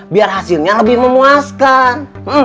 biar hasilnya lebih memuaskan